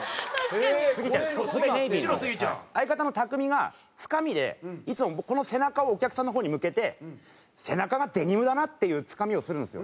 相方のたくみがつかみでいつもこの背中をお客さんの方に向けて「背中がデニムだな！」っていうつかみをするんですよ。